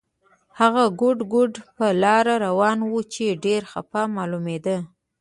هغه ګوډ ګوډ پر لار روان و چې ډېر خپه معلومېده.